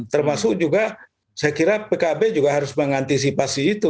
termasuk juga saya kira pkb juga harus mengantisipasi itu